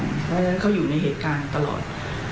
เพราะฉะนั้นเขาอยู่ในเหตุการณ์ตลอด